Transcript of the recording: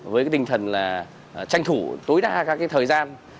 với tinh thần là tranh thủ tối đa các thời gian